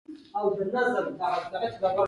جانداد د ارام روح لرونکی دی.